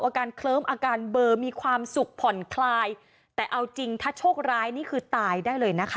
อาการเคลิ้มอาการเบอร์มีความสุขผ่อนคลายแต่เอาจริงถ้าโชคร้ายนี่คือตายได้เลยนะคะ